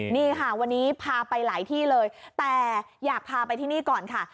นี่ค่ะวันนี้พาไปหลายที่เลยแต่อยากพาไปที่นี่ก่อนค่ะ